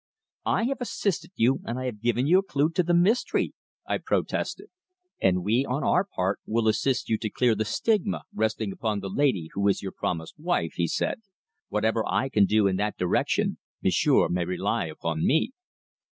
"I have assisted you, and I have given you a clue to the mystery," I protested. "And we, on our part, will assist you to clear the stigma resting upon the lady who is your promised wife," he said. "Whatever I can do in that direction, m'sieur may rely upon me."